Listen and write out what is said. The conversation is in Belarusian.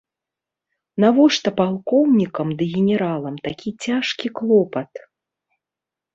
Навошта палкоўнікам ды генералам такі цяжкі клопат?